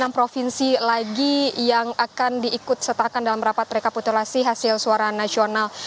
enam provinsi lagi yang akan diikut sertakan dalam rapat rekapitulasi hasil suara nasional